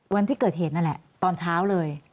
วันที่เกิดเหตุนั่นแหละตอนเช้าเลย